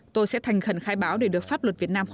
tôi sẽ thành khẩn khai báo để được pháp luật việt nam